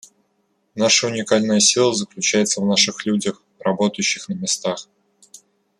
Наша уникальная сила заключается в наших людях, работающих на местах.